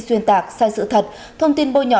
xuyên tạc sai sự thật thông tin bôi nhỏ